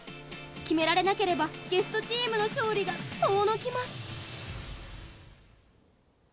決められなければゲストチームの勝利が遠のきます。